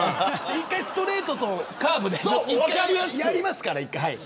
一回ストレートとカーブでやりますから。